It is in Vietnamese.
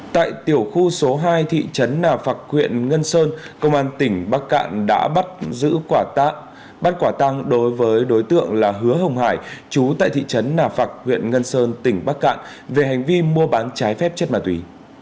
tại tiểu khu số hai thị trấn nà phạc huyện ngân sơn công an tỉnh bắc cạn đã bắt giữ bắt quả tăng đối với đối tượng là hứa hồng hải chú tại thị trấn nà phạc huyện ngân sơn tỉnh bắc cạn về hành vi mua bán trái phép chất ma túy